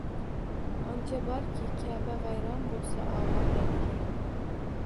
Oncha borki, Ka`ba vayron bo`lsa obod aylagay